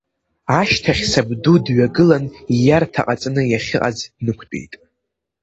Ашьҭахь сабду дҩагылан, ииарҭа ҟаҵаны иахьыҟаз днықәтәеит.